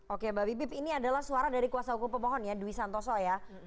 oke mbak bibip ini adalah suara dari kuasa hukum pemohon ya dwi santoso ya